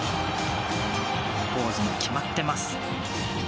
ポーズも決まってます。